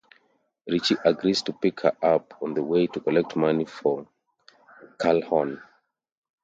Richie agrees to pick her up on the way to collect money for Calhoune.